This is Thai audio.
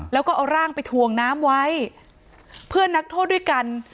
แล้วก็เอาร่างไปถ่วงน้ำไว้เพื่อนนักโทษด้วยกัน